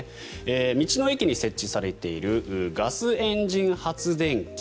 道の駅に設置されているガスエンジン発電機。